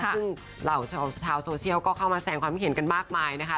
ซึ่งเหล่าชาวโซเชียลก็เข้ามาแสงความคิดเห็นกันมากมายนะคะ